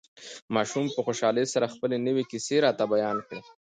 ماشوم په خوشحالۍ سره خپلې نوې کيسې راته بيان کړې.